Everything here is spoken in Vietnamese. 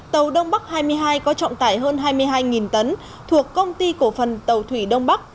tàu đông bắc hai mươi hai có trọng tải hơn hai mươi hai tấn thuộc công ty cổ phần tàu thủy đông bắc